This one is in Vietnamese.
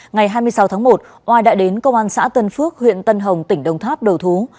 ngày hai mươi sáu tháng một oai đã đến công an xã tân phước huyện tân hồng tỉnh đông tháp đầu thú